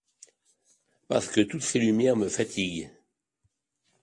Parce que toutes ces lumières me fatiguent.